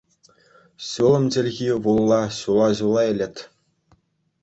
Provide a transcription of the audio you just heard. Ҫулӑм чӗлхи вулла ҫула-ҫула илет.